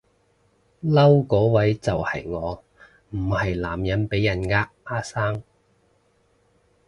嬲個位就係我唔係男人被人嗌阿生